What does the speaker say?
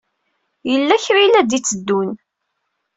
Yella kra ay la d-itteddun.